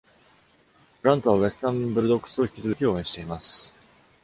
グラントはウエスタン・ブルドッグスを引き続き応援しています。